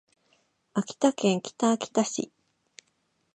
秋田県北秋田市